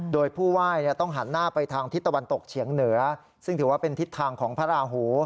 โดยผู้ไหว้ต้องหันหน้าไปทางทิศตะวันตกเฉียงเหนือซึ่งถือว่าเป็นทิศทางของพระราหู